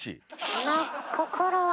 その心は？